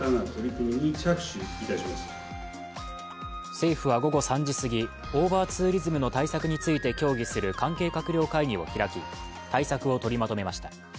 政府は午後３時すぎ、オーバーツーリズムの対策について協議する関係閣僚会議を開き対策を取りまとめました。